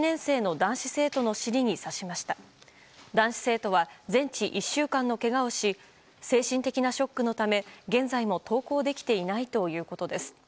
男子生徒は全治１週間のけがをし精神的なショックのため現在も登校できていないということです。